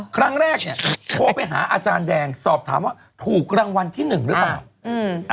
ครั้งแรกเนี่ยโทรไปหาอาจารย์แดงสอบถามว่าถูกรางวัลที่หนึ่งหรือเปล่า